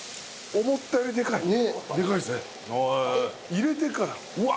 入れてからうわっ！